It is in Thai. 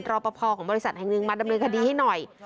รอปภของบริษัทแห่งหนึ่งมาดำเนินคดีให้หน่อย